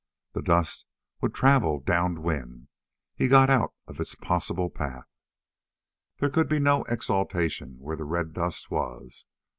The dust would travel down wind. He got out of its possible path. There could be no exultation where the red dust was.